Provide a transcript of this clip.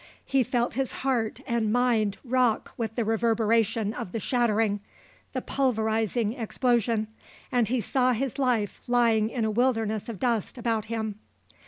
He felt his heart and mind rock with the reverberation of the shattering, the pulverizing explosion, and he saw his life lying in a wilderness of dust about him.